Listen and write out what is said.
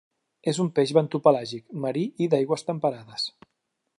És un peix bentopelàgic, marí i d'aigües temperades.